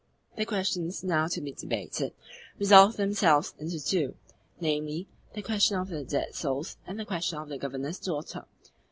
The questions now to be debated resolved themselves into two namely, the question of the dead souls and the question of the Governor's daughter.